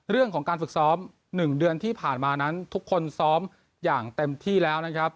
เรื่องของการฝึกซ้อม๑เดือนที่ผ่านมานั้นทุกคนซ้อมอย่างเต็มที่แล้วนะครับ